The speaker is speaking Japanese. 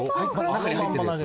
中に入ってるやつ？